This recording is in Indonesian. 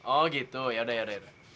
oh gitu ya udah ya udah